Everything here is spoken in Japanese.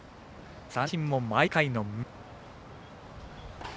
三振も毎回の６つ。